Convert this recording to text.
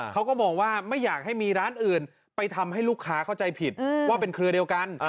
เขาก็มองว่าไม่อยากให้มีร้านอื่นไปทำให้ลูกค้าเข้าใจผิดว่าเป็นเครือเดียวกัน